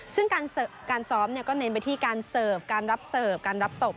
ซึ่งการซ้อมก็เน้นไปที่การเสิร์ฟการรับเสิร์ฟการรับตบ